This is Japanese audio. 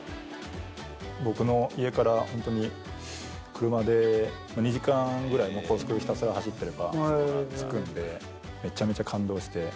僕の家から本当に車で２時間ぐらい、高速ひたすら走ってれば着くんで、めちゃめちゃ感動して。